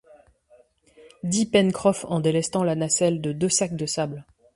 dit Pencroff, en délestant la nacelle de deux sacs de sable.